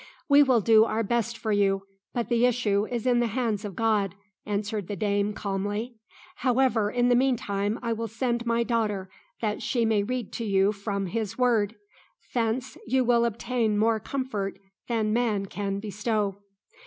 "We will do our best for you, but the issue is in the hands of God," answered the dame calmly. "However, in the meantime I will send my daughter that she may read to you from His Word. Thence you will obtain more comfort than man can bestow."